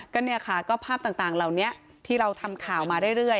คืออย่างภาพต่างเหล่านี้ที่เราทำข่าวมาเรื่อย